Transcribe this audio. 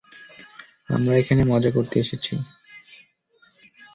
আমরা এখানে মজা করতে এসেছি।